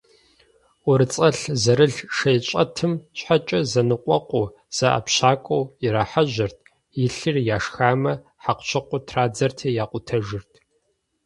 ӀурыцӀэлъ зэрылъ шейщӀэтым щхьэкӀэ зэныкъуэкъуу, зэӀэпщакӀуэу ирахьэжьэрт, илъыр яшхамэ, хьэкъущыкъур традзэрти якъутэжырт.